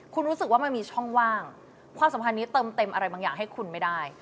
คุณรู้สึกว่ามันมีช่องว่างความสัมพันธ์นี้เติมเต็มอะไรบางอย่างให้คุณไม่ได้